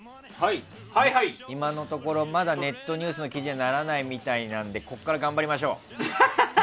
今のところまだネットニュースの記事にはならないみたいなんでここから頑張りましょう。